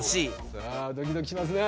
さあドキドキしますね。